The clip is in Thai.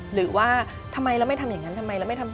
หรือว่าทำไมเราไม่ทำอย่างนั้นทำไมเราไม่ทำ